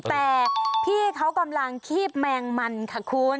แต่พี่เขากำลังคีบแมงมันค่ะคุณ